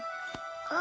あ。